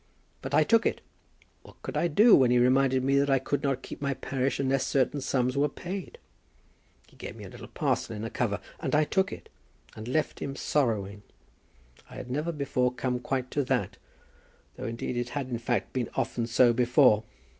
But I took it. What could I do when he reminded me that I could not keep my parish unless certain sums were paid? He gave me a little parcel in a cover, and I took it, and left him sorrowing. I had never before come quite to that; though, indeed, it had in fact been often so before.